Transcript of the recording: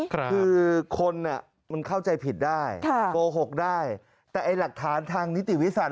คือคนมันเข้าใจผิดได้โกหกได้แต่ไอ้หลักฐานทางนิติวิสัย